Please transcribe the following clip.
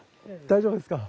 大丈夫ですか？